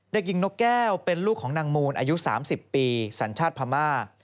เด็กหญิงนกแก้วเป็นลูกของนางมูลอายุ๓๐ปีสัญชาติพม่า